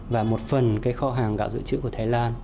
và một phần cái kho hàng gạo dự trữ của thái lan